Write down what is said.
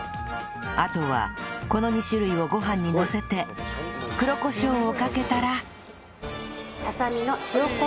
あとはこの２種類をご飯にのせて黒コショウをかけたら